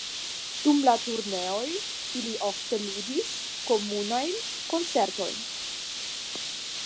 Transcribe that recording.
Dum la turneoj ili ofte ludis komunajn koncertojn.